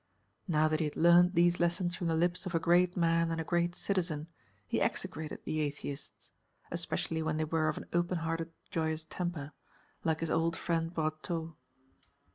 Now that he had learnt these lessons from the lips of a great man and a great citizen, he execrated the atheists especially when they were of an open hearted, joyous temper, like his old friend Brotteaux.